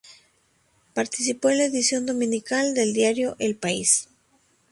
Participó en la edición dominical del diario El País.